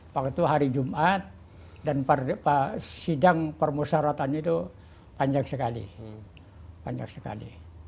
pak itu hari jumat dan sidang permusaratan itu panjang sekali